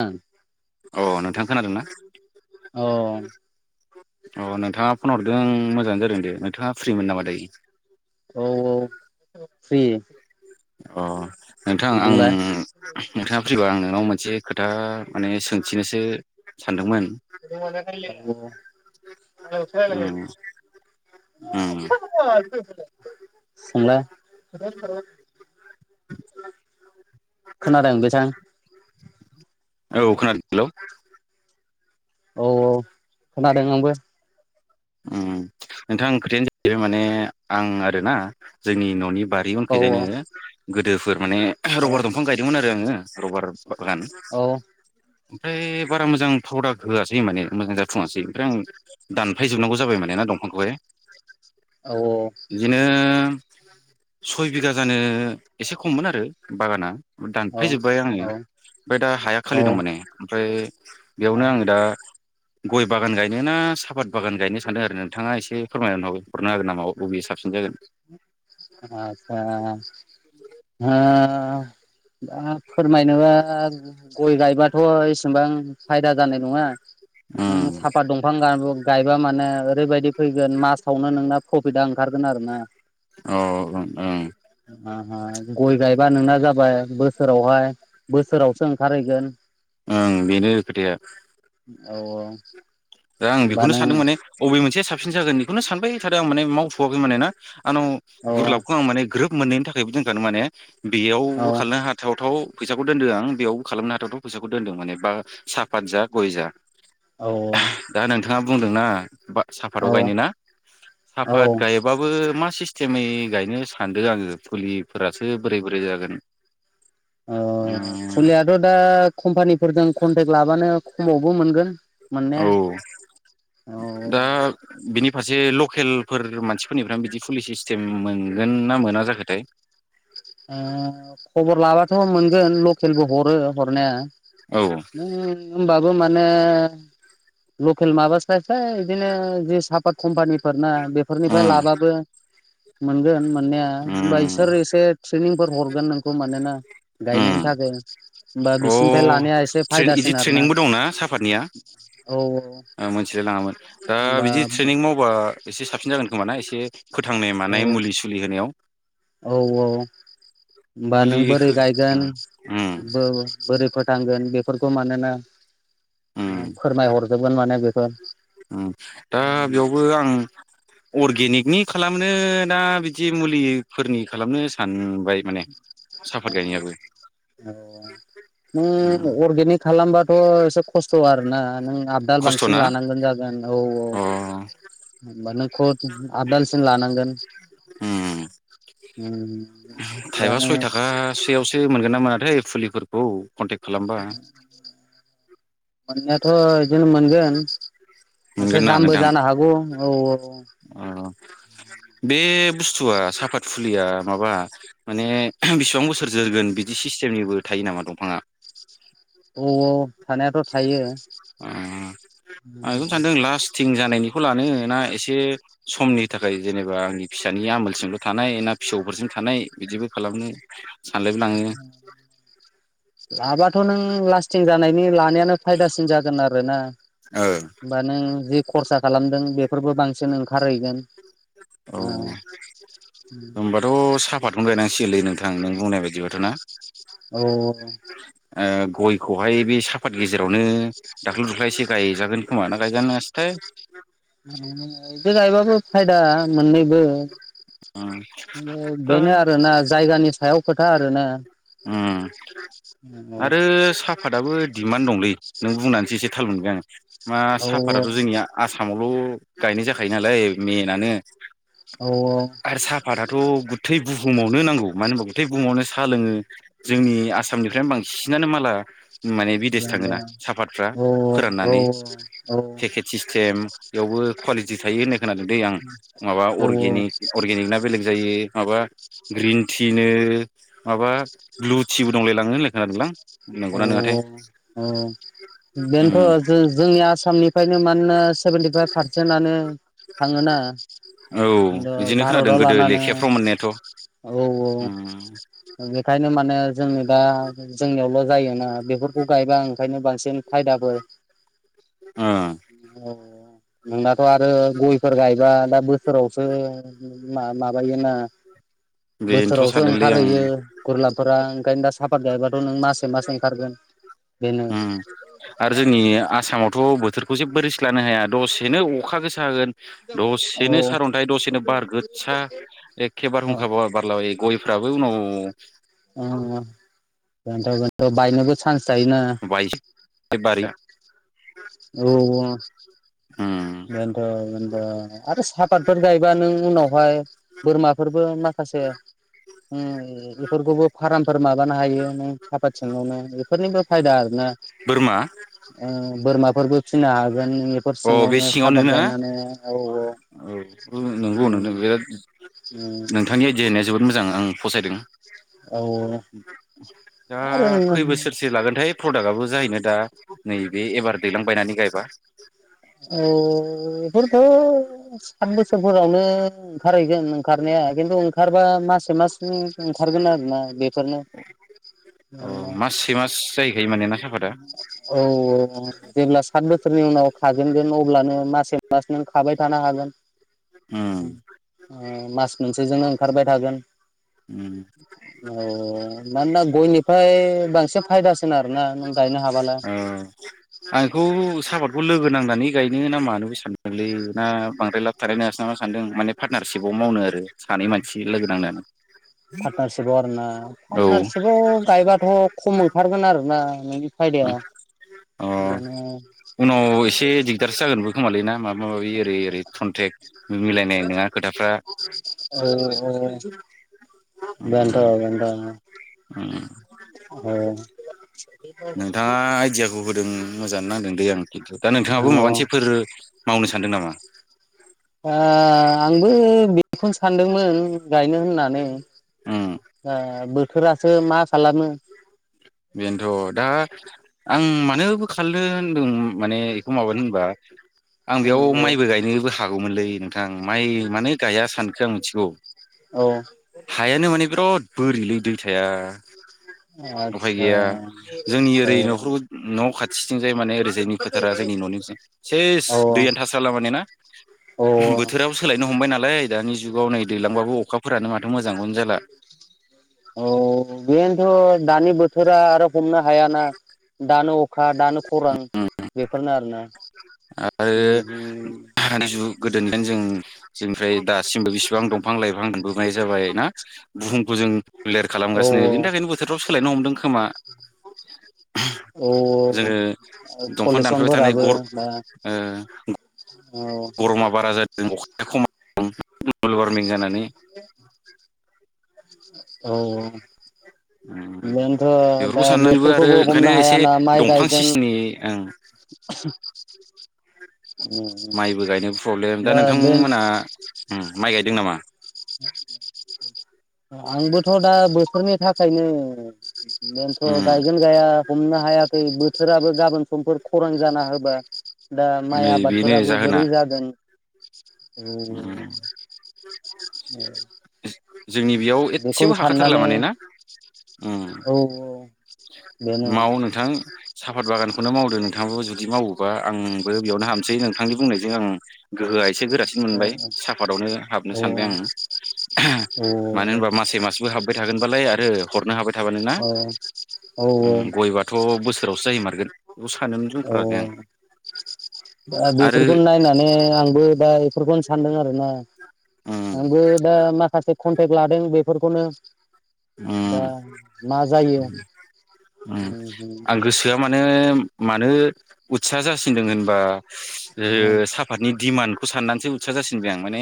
औ अ नोंथां खोनादोंना। औ अ नोंथाङा फन हरदों मोजाङानो जादों दे नोंथाङा फ्रिमोन नामा दायो। औ औ फ्रि अ। नोंथां आं बुंलाय नोंथाङा फैबा आं नोंनाव मोनसे खोथा माने सोंथिनोसो सानदोंमोन । [unintelligible] उम उम सोंलाइ? [unintelligible] खोनादों बिथां औ खोनादों हेलौ औ औ खोनादों आंबो। ओम नोंथां खोथायानो जाहैबाय माने आं आरोना जोंनि न'नि बारि औ उनखैजायनो गोदो माने औ रबार दंफां गायदोंमोन आरो आङो रबार बागान औ ओमफ्राय बारा मोजां प्रावदाक होआसै माने मोजां जाथ'आासै ओमफ्राय आं दा। हाफायजोबनांगौ जाबायना दंफांखौहाय बिदिनो सय बिगा जानो एसे खममोन आरो बागाना दानफायजोब्बाय आङो औ ओमफ्राय दा हाया औ खालि दं माने ओमफ्राय बेयावनो आङो दा गय बागान गायनो ना साफात बागान गायनो सानदों आरो नोंथाङा एसे फोरमायनानै हरनो हागोन नामा बागाना बबे साबसिन जागोन आसा ओ [unintelligible] दा फोरमायनोबा गय गायबाथ' एसेबां फायदा जानाय नङा। नों ओम साफा दंफां गा-गायबा माने ओरैबायदि फैगोन मासावनो नोंना प्रफिता ओंखारगोन आरो ना अ ओं ओं [inaudible] ओ गय गायबा नोंना जाबाय बोसोरावहाय बोसोरावसो ओंखारहैगोन। ओं बेनो खोथाया [inaudible] औ औ दा आं होमबा बेखौनो नों सानदों माने अबे मोनसे साब साबसिन जागोन बेखौनो सानबाय थादों आं माने मावथ'वै माने ना। आंनाव औ गुरलाबखौ आं माने ग्रोब मोनैनि थाखायबो दोनखादों माने औ बेयावबो खालामनो हाथाव थाव फैसाखौ दोन्दों आं बेयावबो खालामनो हाथावथ' फैसाखौ दोन्दों माने बा साफात जा गय जा। औ दा नोंथाङा। बुंदोंना। औ साफाताव गायनोना औ साफात ओ गायबाबो मा सिस टेमै गायनो सानदों आङो फुलिफोरासो बोरै बोरै जागोन। अ उम फुलियाथ' दा कम्पानिफोरजों कनटेक लाबानो। खमावबो मोनगोन। मोननाया औ औ ओ दा बिनि फासे लकेलफोर मानसिफोरनिफ्राय बिदि पुलि सिस्टेम मोनगोनना मोना जाखोथाय? ओ खबर लाबथ' मोनगोन लकेलबो हरो हरनाया। औ [unintelligible] बो माने लकेल माबास्लाय स्लाय बिदिनो जे सापाय कम्पानि [unintelligible] बेफोरनिफाय उम लाबाबो। मोनगोन। मोननाया [unintelligible] उम [unintelligible] ट्रेनिंफोर हरगोन नोंखौ मानोना उम गायनायनि थाखाय होनबा अ बिसोरनिफ्राय लानाया। एसे ट्रेन इदि फायदासिन आरोना ट्रेनिबो दंना सापातनिया औ आं मोनथिलाय लाङामोन दा होमबा बिदि ट्रेनिं औ मावबा एसे साबसिन जागोन खोमाना एसे। फोथांनाय औ मानाय मुलि सुलि होनायाव औ औ होनबा नों मुलि बोरै हो गायगोन उम उम बोरै नांगोन बेफोरखौ मानोना फोरमाय हरजोबगोन माने बेखौ [inaudible] ओम दा बेयावबो आं अरगेनिक नि खालामनोना दा बिदि मुलिफोरनि खालामनो सान नों अर्गेनिक खालामबाथ' एसे खस्थ' आरोना नों आबाद बांसिन खस्थ'ना लानांगोन जागोन औ अ औ [inaudible] [inaudible] लानांगोन। उम होमबा थाइबा नों सयथाखा सोयावसो मोनगोनना मोनथाय फुलिफोरखौ कटेक खालामबा। मोननायाथ' बिदिनो मोनगोन एसे मोनगोन ना दामबो नोंथां जानो हागौ। औ औ अ बे बुस्थुआ साफात फुलिया माबा माने बिसेबां बोसोर जोरगोन बिदि सिस्टेमनिबो थायो नामा दंफाङा? औ औ थानायाथ' थायो। अ आं बेखौनो सानदों लास्टथिं जानायनिखौ लानो ना एसे समनि थाखाय जेनेबा आंनि फिसानि आमोलजोंमल' थानाय ना फिसौफोरजों थानाय बिदिबो खालामनो सानलायबो लाङो [inaudible] लाबाथ' नों लास्टिं जानायनि ला नायानो फायदासिन जागोन आरोना औ होमबा नों जि खरसा खालामदों बे फोरबो बांसिन ओंखारहैगोन। औ होनबाथ' साहाफतखौनो गायनां सिगोनलै नोंथां नों बुंनाय बायदिबाथ' ना? औ अ गयखौहाय बे साफात गेजेरावनो दाख्लु दुख्ल एसे गायजागोन खोमा ना गायजानायासोथाय? मोनैबो उम दा बेनो आरोना जायगानि सायाव खोथा आरो ना ओम आरो साहाफताबो दिमान्ड दंलै। नों बुंनानैसो एसे थाल मोनबाय आं मा औ साफाताथ' जोंनिया आसामावल' गायनाय जाखायो नालाय मेनानो औऔ थ गुथै बुहुमावनो नांगौ मानो होनबा गुथै बुहुमावनो सा लोङो जोंनि आसामनिफ्रायनो बांसिनानो माला माने बिदेश थाङोना साफातफ्रा औ औ फोराननानै पेकेट सिस्टेम बेयावबो कुवालि टि थायो होननाय खोनादों दै आं माबा औ अर्गेनिक अर्गेनिक ना बेलेग जायो माबा ग्रिन टिनो माबा लुथिबो दंलाय लाङो खोनादोंलां नंगौना अव नङाथाय औ उम बेनोथ जो-जोंनि आसामनि फ्रायनो मानोना सेभेन्टिफाइभ पारसेन्टआनो थाङोना औ द बिदिनो खोनादों भारतआव गोदो लानानै लेखाफ्राव मोननायाथ' औ औ उम ओंखायनो माने जोंनि दा जोंनियावल जायोना बेफोरखौ गायबा ओंखायनो बांसिन फायदाफोर ओ अ नोंनाथ आरो गयफोर गाय दा दा बोसोरावसो मा माबायोना बेनोथ' बोसोरावसो सानदोंलै आं ओंखारहैयो गुरलाब फोरा ओंखायनो दा साफाथ गायबाथ नोंमा? उम आरो जोंनि आसामावथ बो थोरखौ जेबो रिस लानो हाया दसेनो अखा गोसा होगोन औ दसेनो सारअन्थायाइ दसेनो बारगोसा एखेबार औ हुंखाब बारलाबायो गयफ्राबो उनाव थ बायनोबो चान्स थायोना बायस जोबबारिआ औ औ ओ उम बेनोथ बेन ओ आरो सापातफोर गायबा नों उनावहाय बोरमाफोरबो माखासे उम बेफोरखौबो उम फार्मफोर माबानो हायो नों सापात सिङावनो बेफोरनिबो फायदा आरोना बोरमा ओ बोरमा फोरबो फिनो हागोन बेफोर अ बे सिङावनो साफाद ना गायनानै औ औ नोंगौ नोंथां उम बे उम नोंथांनि आइदियानो जोबोद मोजां आं फसायदों औ दा आरो खै बोसोरसो लागोनथाय फ्रद गाबो जाहैगोन दा नैबे एबार दैलां बायनानै गायबा औ बेफोरखौ सात बोसोरफोरावनो ओंखारहैगोन ओंखारनाया खिन्थु ओंखारबा मासे मासनि ओंखारगोन आरोना बे फोरनो अ [unintelligible] माससे मास जाहैखायो माने ना साफादा औ औ जेब्ला सात बोस [unintelligible] थागोनगोन अब्लानो मासे मास नों खाबाय थानो हागोन? उम ओ‌ मास मोनसेजोंनो ओंखारबाय थागोन। उम औ मानोना गयनिफ्राय बांसिन फायदासिन आरोना नों गायनो हाबाला औ आंखौ सापतखौ लोगो नांनानै गायनो ना मानोबो सानदोंलै ना बांद्राय लाब थानाय नङासो नामा सानदों माने पार्टनारशिपाव मावनो आरो सानै मानसि लोगो‌ नांनानै। पार्टनारशिपाव आरो ना? औ पार्टनारशिपाव गायबाथ' खम ओंखारगोन आरो ना नों फायदा अ उनाव औ एसे दिगदारसो जागोनबो खोमालै ना माबा माबि औ ओरै ओरै कन्ट्रेक्ट बेनथ' मिलायनाय नङा खोथाफ्रा बेनथ' ओ उम उम औ । नोंथाङा आइदियाखौ होदों मोजां नांदों दे आं खिन्थु, दा नोंथाङाबो माबा औ मोनसेफोर मावनो सानदों नामा? दा आंबो बेखौनो सानदोंमोन गायनो होननानै उम ओ बो थोरासो मा खालामो? बेनोथ' दा आं मानोबो खालायनो होनदों माने [unintelligible] होनबा आं उम बेयाव औ माइबो गायनोबो हागौमोनलै नोंथां माइ मानो गाइया सान जों मिथिगौ। औ हायानो मानि बिराद बोरिलै दै थाया। उफाय आतसा गैया, जोंनि ओरै औ न'खर, न' खाथिथिंजाय माने ओरैजायनि फोथारा, जोंनि न'नि ओरैथिं सेस औ दैयानो थास्राला माने ना औ बोथोराबो सोलायनो हमबाय नालाय दानि जुगाव नै दैलांबाबो अखा औ बेनथ'। दानि बोथोरा आरो हम नो हायाना दानो अखा दानो खरान बे बेफोरनो आरो ना आरो [unintelligible] गोदोनदेन जों जोंनि ओमफ्राय दासिमबो बिसिबां दंफां लाइफां [unintelligible] जाबाय ना जों बुहुमखौ [unintelligible] औ खालामगासिनो बेनि थाखायनो बोथोरफ्राबो सोलायनो हमदों खोमा औ औ जोङो औ दंफां दानफायबाय थानाय पलुसनफोराबो गर [unintelligible] ओ गरमा बारा जादों अखाया खमा [unintelligible] [unintelligible] वारमिं जानानै औ औ बेफोरखौ साननानैबो आरो बोथोरखौबो ओंखायनो हमनो एसे हायाना माइ दंफां गायगोन सिसटिमनि उम माइबो गायनो प्रब्लेम दा नोंथांमोना ओम माइ गाय दों नामा आंबोथ' दा बोथोरनि थाखायनो उम बेनोथ' गायगोन गाया हमनो हायाखै बोथोराबो गाबोन समफोर खरां जाना होबा दा नै माइ आबाद बेनो फोराबो जाहोना बोरै जागोन उम [inaudible] [inaudible] जोंनि बेयाव एदसेबो बेखौनो हाखाथारला साननानै माने ना ओम औ बेनो माव नोंथां साफात बागान खौनो मावदो नोंथाङाबो जुदि मावोबा आंबो बेयावनो हाबसै नोंथांनि बुंनायजों आं गोहोआ एसे गोरासिन औ मोनबाय साफादावनो हाबनो औ सानबाय आङो औ मानो होनबा मासेै मासबो हाबबाय थागोन हरबालाय आरो हरनो हाबाय थाबानो ना औ औ गयबाथ' बोसोरावसो जाहैमारगोन बेखौ सानोमोन औ जोंफोरालाय आं दा आरो बेफोरखौनो नायनानै आंबो दा बेफोरखौनो सानदों आरो ना उम आंबो दा माखासे कनटेक्ट लादों बे फोरखौनो उम उम आं गोसोआ मानो मानो उत्सा जासिनदों होनबा ओ साफादनि दिमान्डखौ साननानैसो उत्सा जासिनबाय आं माने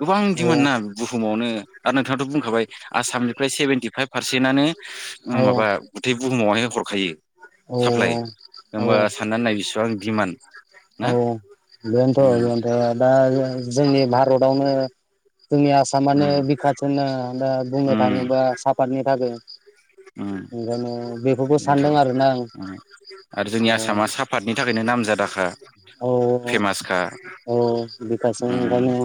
गोबां औ दिमान्डना बुहुमावनो। आरो नोंथाङाथ' बुंखाबाय आसाम सेभेनटी फाइभ पारसेन्टआनो ओम औ माबा गुथे बुहुमावनो होयो‌ औ साप्लाइ होमबा साननानै नाय बिसेबां दिमाण्ड औ बेन्थ' बेन्थ' दा जों जोंनि भारतावनो जोंनि आसामानो उम बिखाथ होनो होनना बुंनो उम थाङोबा सापादनि थाखै। उम बेनथ' सानदों ओ आरोना आं आरो जोंनि आसामा साफातनि था खायनो नामजादाखा औ फेमासखा औ औ बिखा उम सिंनिफ्रायनो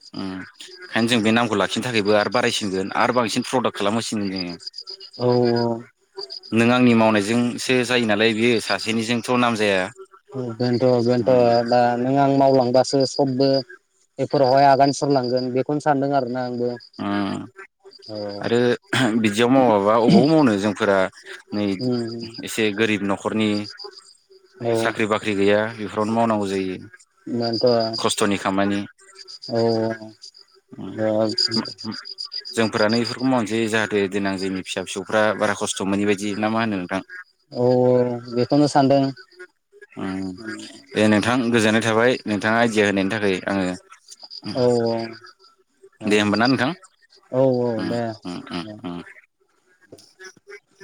उम ओंखायनो जों बे नामखौ लाखिनो थाखायबो आरो बारायसिनगोन आरो बांसिन प्रडाक्ट खालामहोसिनगोन जोङो औ औ जोंसो जायो नालाय बियो सासेनिजों बेनथ' बेनथ' उम दा नों आं मावलांबा सो सबबो बेफोरावहाय आगान सुरलांगोन बेखौनो सानदों आरो नांगौ उम आरो बिदियाव मावाबा अबाव मावनो जोंफोरा नै उम एसे गोरिब न'खरनि उम औ साख्रि बाख्रि गैया बेफोरावनो मावनांगौ जायो। खस्थ'नि बेनथ' खामानि औ औ जोंफोरानो [inaudible] बेफोरखौ मावनोसै जाहाथे देनां जोंनि फिसा फिसौफ्रा बारा खस्थ' मोनै बायदि ना मा होनो नोंथां औ बेखौनो सानदों उम दे नोंथां गोजोननाय थाबाय नोंथाङा जिरायनायनि थाखाय आङो औ औ दे होमबा ना ओ नोंथां औ उम औ उम उम दे उम ओ [unintelligible]